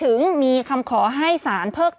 ผู้ต้องหาที่ขับขี่รถจากอายานยนต์บิ๊กไบท์